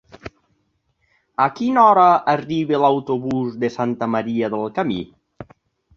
A quina hora arriba l'autobús de Santa Maria del Camí?